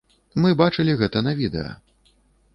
Мы бачылі гэта на відэа.